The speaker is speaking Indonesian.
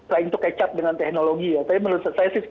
tengah kecap dengan teknologi tapi menurut saya sih